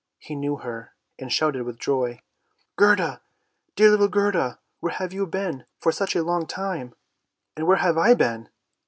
He knew her, and shouted with joy, " Gerda, dear little Gerda! where have you been for such a long time? And where have I been?